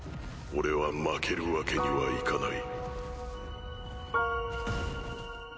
俺は負けるわけにはいかない。